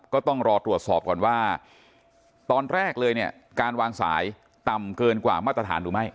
ก็ต้องรอตรวจสอบก่อนว่าตอนแรกเลยเนี่ยการวางสายต่ำเกินกว่ามาตรฐานหรือไม่